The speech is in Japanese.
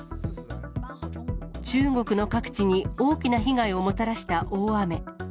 中国の各地に大きな被害をもたらした大雨。